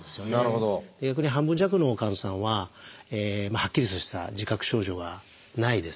逆に半分弱の患者さんははっきりとした自覚症状がないです。